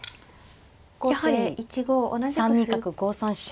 やはり３二角５三飛車